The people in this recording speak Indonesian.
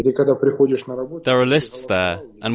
mereka diperintahkan apakah mereka telah memilih atau tidak